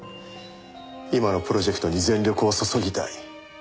今のプロジェクトに全力を注ぎたい。